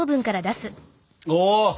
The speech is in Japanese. お！